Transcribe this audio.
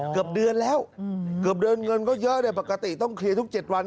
เกือบเดือนแล้วเกือบเดือนเงินก็เยอะเนี่ยปกติต้องเคลียร์ทุก๗วัน